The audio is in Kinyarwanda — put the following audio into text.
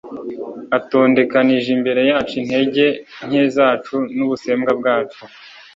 atondekanije imbere yacu intege nke zacu n'ubusembwa bwacu.